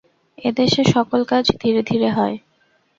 এদেশে সকল কাজ ধীরে ধীরে হয়।